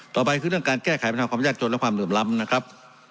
ต่อไปคือเรื่องการแก้ไขปัญหาความยากจนและความเหลื่อมล้ำนะครับ